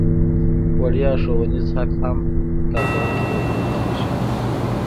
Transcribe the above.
وړیا ښوونیز حق هم کارکوونکي ته ورکول کیږي.